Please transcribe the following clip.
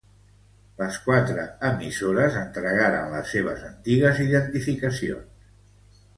Les quatre emissores entregaren les seves antigues identificacions.